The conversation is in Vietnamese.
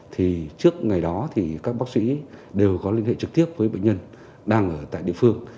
thì trước ngày đó thì các bác sĩ đều có liên hệ trực tiếp với bệnh nhân đang ở tại địa phương